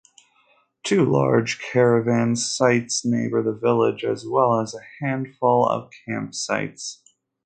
Two large caravan sites neighbour the village, as well as a handful of campsites.